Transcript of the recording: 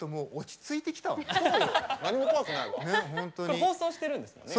これ放送してるんですもんね？